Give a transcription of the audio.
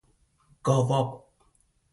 گاو آب